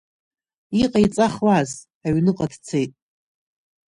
Иҟаиҵахуаз, аҩныҟа дцеит.